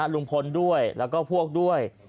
ลุงพลด้วยแล้วก็พวกด้วย